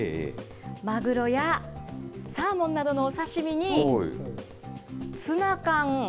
マグロやサーモンなどのお刺身に、ツナ缶、